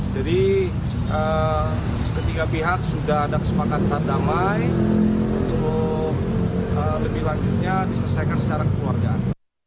jadi ketiga pihak sudah ada kesempatan dan damai untuk lebih lanjutnya diselesaikan secara kekeluargaan